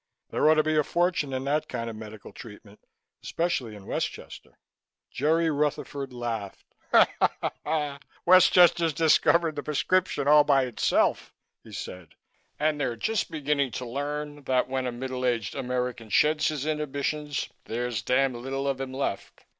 There ought to be a fortune in that kind of medical treatment, especially in Westchester." Jerry Rutherford laughed. "Westchester's discovered the prescription all by itself," he said, "and they're just beginning to learn that when a middle aged American sheds his inhibitions, there's damn little of him left.